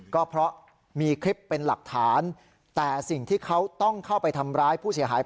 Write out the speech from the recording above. ก็เพราะมีคลิปเป็นหลักฐานแต่สิ่งที่เขาต้องเข้าไปทำร้ายผู้เสียหาย